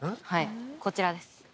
こちらです。